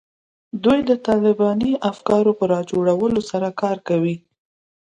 دوی د طالباني افکارو په رواجولو سره کار کوي